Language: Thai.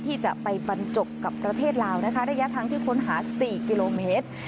ที่จะไปบรรจบกับประเทศลาวนะคะระยะทางที่ค้นหา๔กิโลเมตร